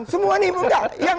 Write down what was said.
semua ini enggak